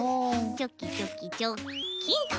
チョキチョキチョッキンと。